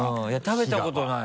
食べたことない。